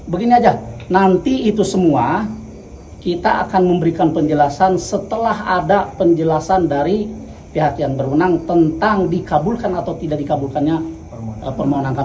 begini aja nanti itu semua kita akan memberikan penjelasan setelah ada penjelasan dari pihak yang berwenang tentang dikabulkan atau tidak dikabulkannya permohonan kpk